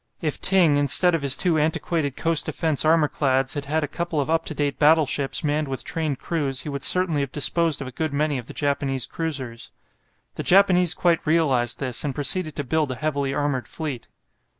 If Ting, instead of his two antiquated coast defence armour clads, had had a couple of up to date battleships manned with trained crews, he would certainly have disposed of a good many of the Japanese cruisers. The Japanese quite realized this, and proceeded to build a heavily armoured fleet.